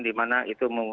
di mana itu mengungsi